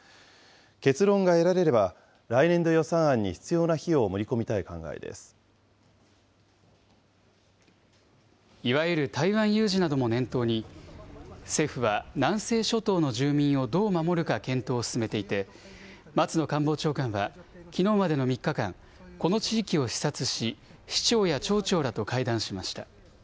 結論が得られれば、来年度予算案に必要な費用を盛り込みたい考えいわゆる台湾有事なども念頭に、政府は南西諸島の住民をどう守るか検討を進めていて、松野官房長官はきのうまでの３日間、この地域を視察し、市長や町長らと会談しました。